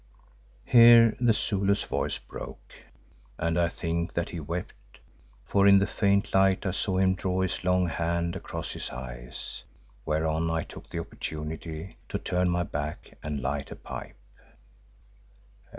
Here the Zulu's voice broke and I think that he wept, for in the faint light I saw him draw his long hand across his eyes, whereon I took the opportunity to turn my back and light a pipe.